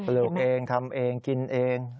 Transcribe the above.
ลูกเองทำเองกินเอง